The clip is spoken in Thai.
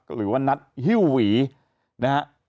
หรือว่านัดฮิวหวีนะครับ